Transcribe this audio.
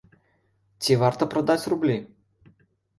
Ці варта прадаць рублі?